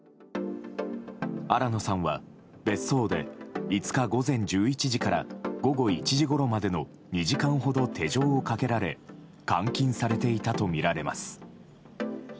新野さんは別荘で５日午前１１時から午後１時ごろまでの２時間ほど手錠をかけられ監禁されていたとみられます。